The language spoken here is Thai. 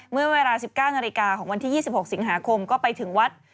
เมื่อเวลา๑๙นาฬิกาของวันที่๒๖สิงหาคมก็ไปถึงวัด